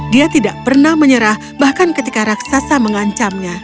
dia tidak pernah menyerah bahkan ketika raksasa mengancamnya